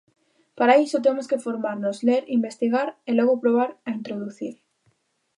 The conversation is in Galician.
Para iso, temos que formarnos, ler, investigar e logo probar a introducir.